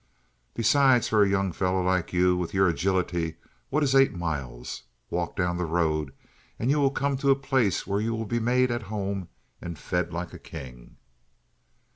"Besides, for a young fellow like you, with your agility, what is eight miles? Walk down the road and you will come to a place where you will be made at home and fed like a king."